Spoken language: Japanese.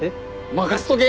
任せとけ！